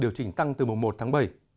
điều chỉnh tăng từ mùa một tháng bảy